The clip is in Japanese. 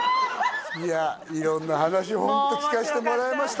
いや色んな話ホント聞かせてもらいました